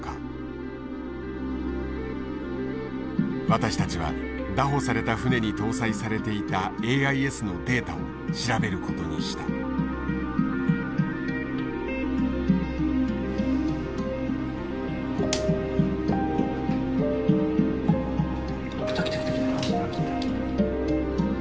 私たちは拿捕された船に搭載されていたＡＩＳのデータを調べることにした。来た来た来た来た。